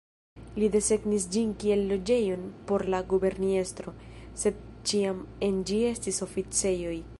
Li desegnis ĝin kiel loĝejon por la guberniestro, sed ĉiam en ĝi estis oficejoj.